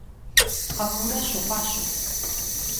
Apuras o paso.